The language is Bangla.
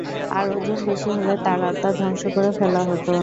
আর ওজন বেশি হলে তার আত্মা ধ্বংস করে ফেলা হত।